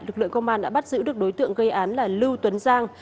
lực lượng công an đã bắt giữ được đối tượng gây án là lưu tuấn giang